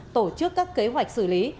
tổ chức các kế hoạch xử lý